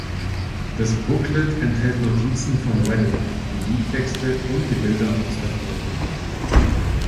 Das Booklet enthält Notizen von Whedon, die Liedtexte und Bilder aus der Folge.